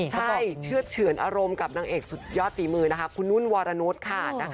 ใช่เชื่อดเฉือนอารมณ์กับนางเอกสุดยอดฝีมือนะคะคุณนุ่นวรนุษย์ค่ะ